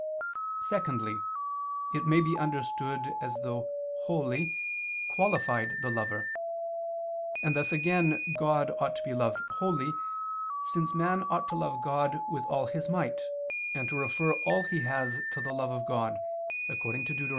Secondly, it may be understood as though "wholly" qualified the lover: and thus again God ought to be loved wholly, since man ought to love God with all his might, and to refer all he has to the love of God, according to Deut.